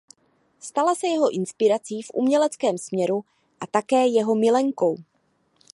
Stala se jeho inspirací v uměleckém směru a také jeho milenkou.